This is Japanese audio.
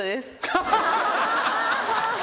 ハハハッ！